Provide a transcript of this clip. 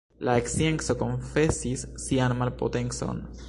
La scienco konfesis sian malpotencon.